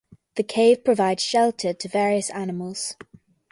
The cave provides shelter to various animals.